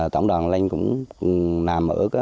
tổng đàn anh cũng làm ở mức là năm mươi sáu mươi con